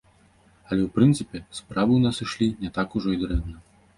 Але, у прынцыпе, справы ў нас ішлі не так ужо і дрэнна.